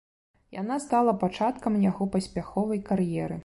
Яна стала пачаткам яго паспяховай кар'еры.